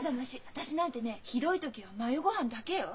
私なんてねひどい時はマヨ御飯だけよ。